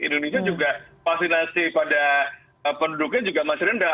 indonesia juga vaksinasi pada penduduknya juga masih rendah